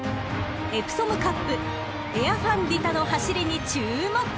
［エプソムカップエアファンディタの走りに注目］